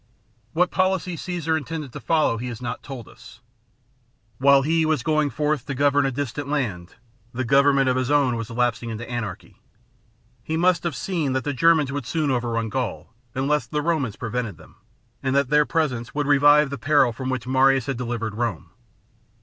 What policy Caesar intended to follow he has lot told us. While he was going forth to govern 1 distant land, the government of his own was apsing into anarchy. He must have seen that :he Germans would soon overrun Gaul unless the Romans prevented them, and that their presence ;vould revive the peril from which Marius had delivered Rome.